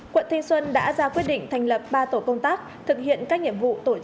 quận thanh xuân đã ra quyết định thành lập ba tổ công tác thực hiện các nhiệm vụ tổ chức